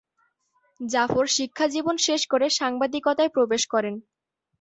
জাফর শিক্ষাজীবন শেষ করে সাংবাদিকতায় প্রবেশ করেন।